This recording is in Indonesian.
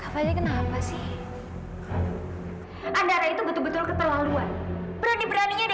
hai kembali kenapa sih anda itu betul betul keperluan berani beraninya